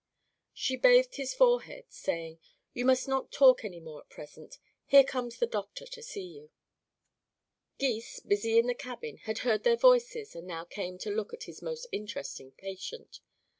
She bathed his forehead, saying: "You must not talk any more at present. Here comes the doctor to see you." Gys, busy in the cabin, had heard their voices and now came to look at his most interesting patient.